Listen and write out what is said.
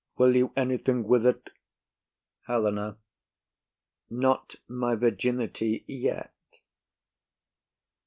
Will you anything with it? HELENA. Not my virginity yet.